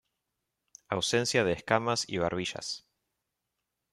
Ausencia de escamas y barbillas.